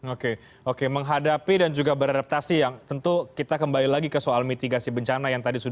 oke oke menghadapi dan juga beradaptasi yang tentu kita kembali lagi ke soal mitigasi bencana yang tadi sudah